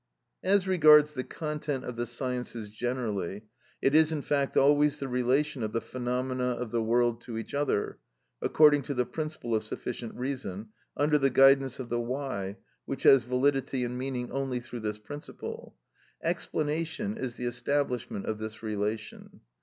As regards the content of the sciences generally, it is, in fact, always the relation of the phenomena of the world to each other, according to the principle of sufficient reason, under the guidance of the why, which has validity and meaning only through this principle. Explanation is the establishment of this relation.